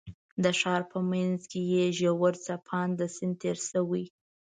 د ښار په منځ کې یې ژور څپاند سیند تېر شوی.